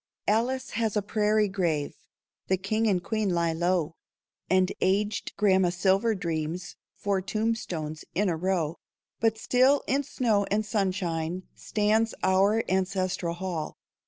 Alice has a prairie grave. The King and Queen lie low, And aged Grandma Silver Dreams, Four tombstones in a row. But still in snow and sunshine Stands our ancestral hall.